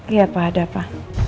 iya pak ada apa